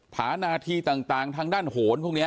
ฐานะธีต่างทางด้านโหลศาสตร์พวกเนี่ย